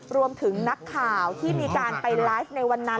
รวมถึงนักข่าวที่มีการไปไลฟ์ในวันนั้น